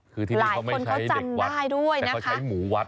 คือที่นี่เขาไม่ใช่เด็กวัดแต่เขาใช้หมูวัด